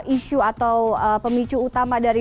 isu atau pemicu utama dari